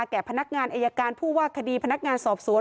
แก่พนักงานอายการผู้ว่าคดีพนักงานสอบสวน